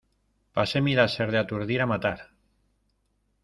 Pasé mi láser de aturdir a matar.